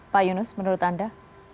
pak yunus menurut anda